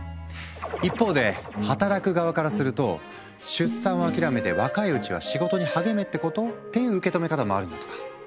一方で働く側からすると出産を諦めて若いうちは仕事に励めってこと？っていう受け止め方もあるんだとか。